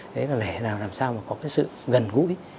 đấy là lẽ nào làm sao mà có cái sự gần gũi